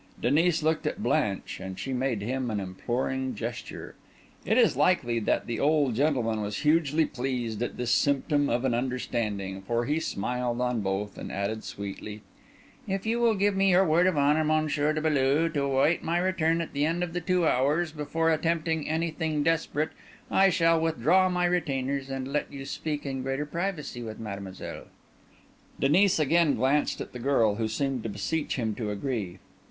Denis looked at Blanche, and she made him an imploring gesture. It is likely that the old gentleman was hugely pleased at this symptom of an understanding; for he smiled on both, and added sweetly: "If you will give me your word of honour, Monsieur de Beaulieu, to await my return at the end of the two hours before attempting anything desperate, I shall withdraw my retainers, and let you speak in greater privacy with mademoiselle." Denis again glanced at the girl, who seemed to beseech him to agree.